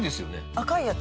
赤いやつ？